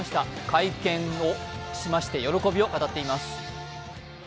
会見をしまして、喜びを語っています。